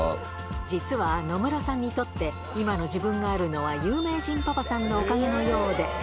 実は野村さんにとって、今の自分があるのは有名人パパさんのおかげのようで。